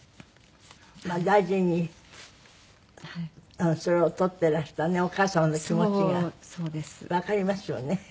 大事にそれを取ってらしたお母様の気持ちがわかりますよね。